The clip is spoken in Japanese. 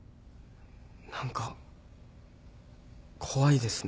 何か怖いですね。